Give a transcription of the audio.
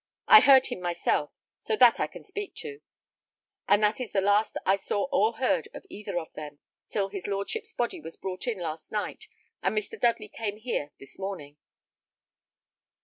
I heard him myself, so that I can speak to; and that is the last I saw or heard of either of them, till his lordship's body was brought in last night, and Mr. Dudley came here this morning."